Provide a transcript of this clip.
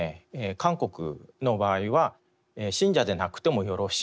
韓国の場合は信者でなくてもよろしいと。